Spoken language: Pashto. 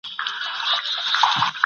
د ژوند حق ته پاملرنه عبادت دی.